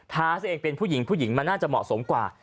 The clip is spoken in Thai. ทาสเองเป็นผู้หญิงผู้หญิงมันน่าจะเหมาะสมกว่า